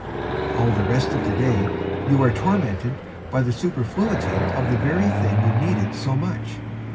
All the rest of the day you are tormented by a superfluity of the very thing you needed so much.